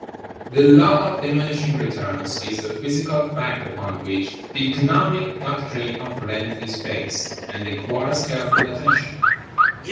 The law of diminishing returns is the physical fact upon which the economic doctrine of rent is based, and requires careful attention.